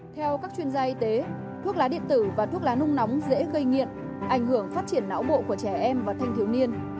theo các chuyên gia y tế thuốc lá điện tử và thuốc lá nung nóng dễ gây nghiện ảnh hưởng phát triển não bộ của trẻ em và thanh thiếu niên